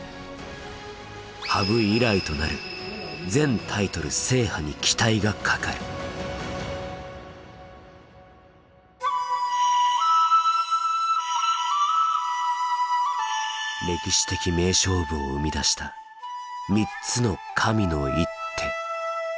羽生以来となる全タイトル制覇に期待がかかる歴史的名勝負を生み出した３つの神の一手。